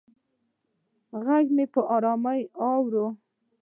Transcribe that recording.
غږ مې په ارامه واوره